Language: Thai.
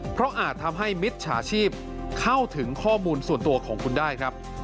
เพราะอาจทำให้มิจฉาชีพเข้าถึงข้อมูลส่วนตัวของคุณได้ครับ